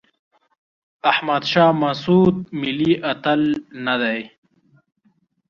احمد شاه مسعود ملي اتل نه دی.